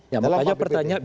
ya makanya pertanyaan